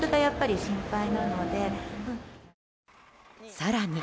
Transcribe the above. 更に。